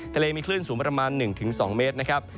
ทะเลมีคลื่นสูงประมาณ๑๒เมตรนะครับ